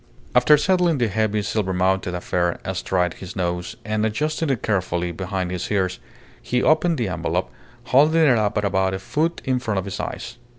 After settling the heavy silvermounted affair astride his nose, and adjusting it carefully behind his ears, he opened the envelope, holding it up at about a foot in front of his eyes.